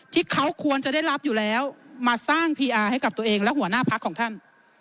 ที่เขาควรจะได้รับอยู่แล้วมาสร้างพีอาร์ให้กับตัวเองและหัวหน้าพักของท่าน